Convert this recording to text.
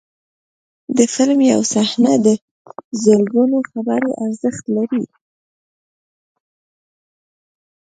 د فلم یو صحنه د زرګونو خبرو ارزښت لري.